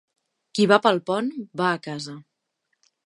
Qui va pel pont, va a casa.